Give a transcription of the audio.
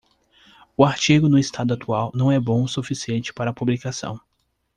O artigo no estado atual não é bom o suficiente para publicação.